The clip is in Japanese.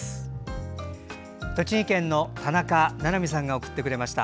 栃木県の田中七海さんが送ってくれました。